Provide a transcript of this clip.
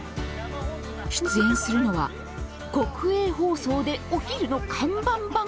出演するのは国営放送でお昼の看板番組。